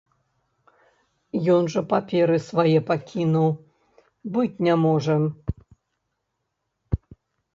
Ён жа паперы свае пакінуў, быць не можа!